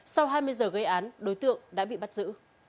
sau hai mươi giờ gây án đối tượng đã bị bắt giữ